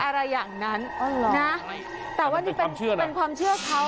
อะไรอย่างนั้นนะแต่ว่านี่เป็นความเชื่อเขา